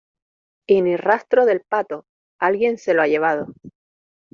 y ni rastro del pato, alguien se lo ha llevado.